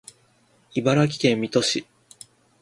茨城県水戸市